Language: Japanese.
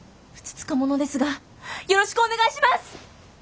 ふつつか者ですがよろしくお願いします！